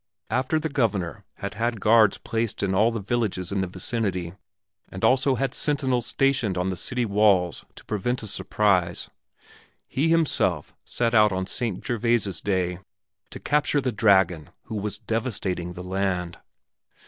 After the Governor had had guards placed in all the villages in the vicinity, and also had sentinels stationed on the city walls to prevent a surprise, he himself set out on Saint Gervaise's day to capture the dragon who was devastating the land.